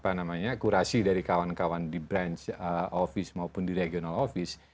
apa namanya kurasi dari kawan kawan di branch office maupun di regional office